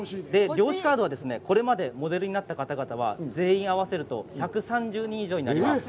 漁師カードは、モデルになった方々は、全員合わせると１３０人以上になります。